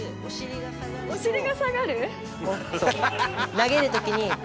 投げる時に。